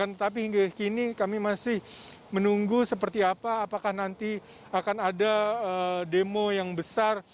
tetapi hingga kini kami masih menunggu seperti apa apakah nanti akan ada demo yang besar